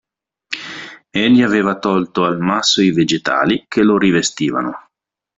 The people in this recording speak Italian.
Egli aveva tolto al masso i vegetali che lo rivestivano.